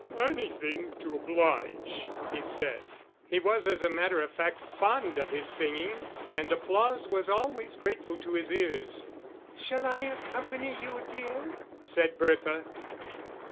"Anything to oblige," he said. He was, as a matter of fact, fond of singing, and applause was always grateful to his ears. "Shall I accompany you, dear?" said Bertha.